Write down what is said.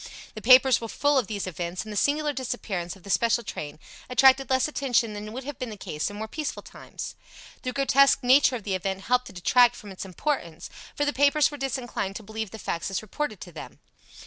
The papers were full of these events, and the singular disappearance of the special train attracted less attention than would have been the case in more peaceful times. The grotesque nature of the event helped to detract from its importance, for the papers were disinclined to believe the facts as reported to them.